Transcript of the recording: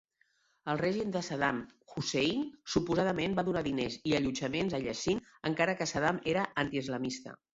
El règim de Saddam Hussein suposadament va donar diners i allotjaments a Yasin, encara que Saddam era anti-islamista.